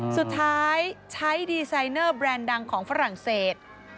สุดท้ายใช้ดีไซเนอร์แบรนด์ดังของฝรั่งเศส